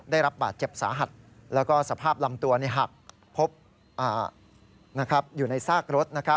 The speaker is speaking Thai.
ได้รับบาดเจ็บสาหัสแล้วก็สภาพลำตัวหักพบอยู่ในซากรถ